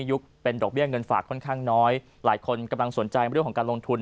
เป็นดอกเบี้ยเงินฝากค่อนข้างน้อยหลายคนกำลังสนใจเรื่องของการลงทุน